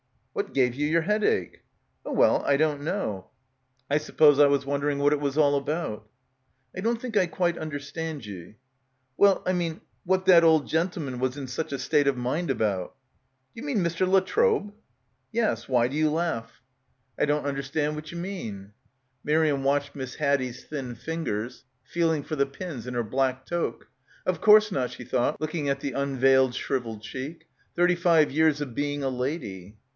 "What gave you yer headache?" "Oh well, I don't know. I suppose I was won dering what it was all about." "I don't think I quite understand ye." "Well, I mean — what that old gentleman was in such a state of mind about." — 131 — PILGRIMAGE "D'ye mean Mr. La Trobe !" "Yes. Why do you laugh?" "I don't understand what ye mean," Miriam watched Miss Haddie's thin fingers feeling for the pins in her black toque. "Of course not," she thought, looking at the unveiled shrivelled cheek. ... "thirty five years of being a lady."